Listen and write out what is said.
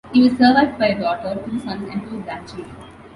He was survived by a daughter, two sons and two grandchildren.